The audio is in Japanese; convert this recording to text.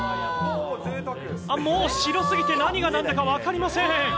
あ、もう白すぎて何がなんだか分かりません。